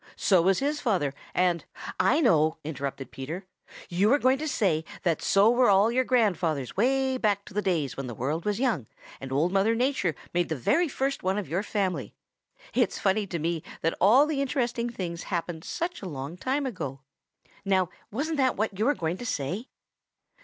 So was his father and " "I know," interrupted Peter. "You were going to say that so were all your grandfathers way back to the days when the world was young, and Old Mother Nature made the very first one of your family. It's funny to me that all the interesting things happened such a long time ago. Now wasn't that what you were going to say?"